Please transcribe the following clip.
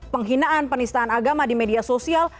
penghinaan penistaan agama di media sosial